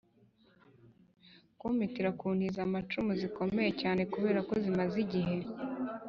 . Ku mpitira: Ku nti z’amacumu zikomeye cyane kubera ko zimaze igihe,